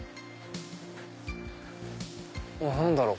何だろう？